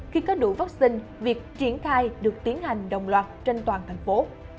khi có đủ vaccine việc triển khai được tiến hành đồng loạt trên toàn thành phố